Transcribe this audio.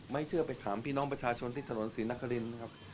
ไม่เชื่อไปถามพี่น้องประชาชนที่ถนนศรีนครินนะครับ